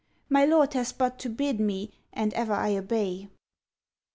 'My lord has but to bid me, and ever I obey.'